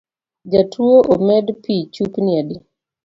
Jatuo omed pi chupni adi